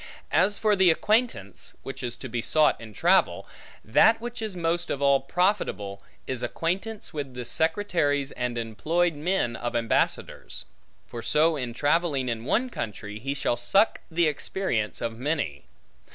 As for the acquaintance, which is to be sought in travel; that which is most of all profitable, is acquaintance with the secretaries and employed men of ambassadors: for so in travelling in one country, he shall suck the experience of many.